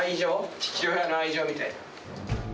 父親の愛情みたいな。